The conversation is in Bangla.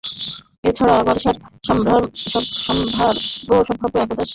তা ছাড়া বার্সার সম্ভাব্য একাদশ নিয়ে রিয়ালকেও একটু বিভ্রান্তির মধ্যে রাখা গেল।